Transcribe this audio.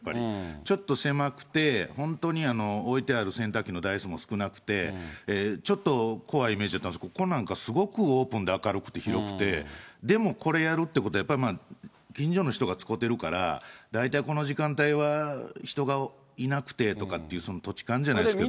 ちょっと狭くて、本当に置いてある洗濯機の台数も少なくて、ちょっと怖いイメージやったんですけど、ここなんかすごくオープンで明るくて広くて、でもこれやるってことは、やっぱり近所の人がつこうてるから、大体この時間は人がいなくてとかって、土地勘じゃないですか。